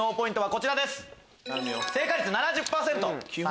こちらです。